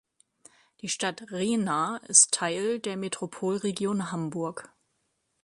Die Stadt Rehna ist Teil der Metropolregion Hamburg.